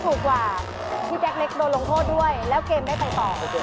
ถูกกว่าพี่แจ๊กเล็กโดนลงโทษด้วยแล้วเกมได้ไปต่อ